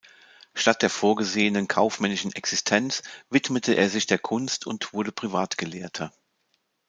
Statt der vorgesehenen kaufmännischen Existenz widmete er sich der Kunst und wurde Privatgelehrter.